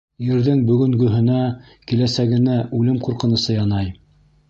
Ерҙең бөгөнгөһөнә, киләсәгенә үлем ҡурҡынысы янай.